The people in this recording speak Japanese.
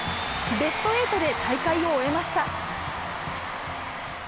ベスト８で大会を終えました。